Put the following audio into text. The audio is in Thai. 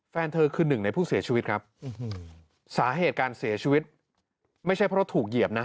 แฟนเธอคือหนึ่งในผู้เสียชีวิตครับสาเหตุการเสียชีวิตไม่ใช่เพราะถูกเหยียบนะ